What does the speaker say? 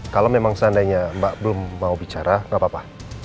kalau memang seandainya mbak belum mau bicara gapapa